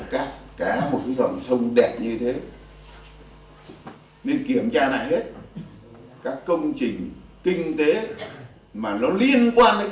các cá một cái dòng sông đẹp như thế nên kiểm tra lại hết các công trình kinh tế mà nó liên quan đến